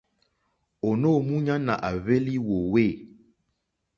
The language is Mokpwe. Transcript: Ònô múɲánà à hwélì wòòwê.